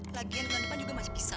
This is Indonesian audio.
lagian depan juga masih bisa